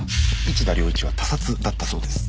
市田亮一は他殺だったそうです。